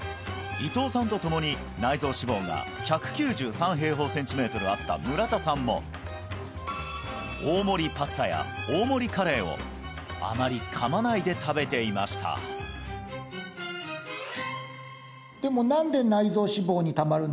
伊藤さんと共に内臓脂肪が１９３ｃｍ^2あった村田さんも大盛りパスタや大盛りカレーをあまり噛まないで食べていましたえ！